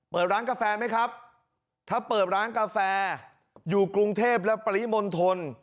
เปิดร้านกาแฟไหมครับถ้าเปิดร้านกาแฟอยู่กรุงเทพและปริมณฑล